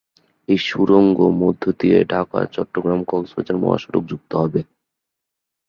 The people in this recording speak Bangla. এই সুড়ঙ্গ মধ্য দিয়ে ঢাকা-চট্টগ্রাম-কক্সবাজার মহাসড়ক যুক্ত হবে।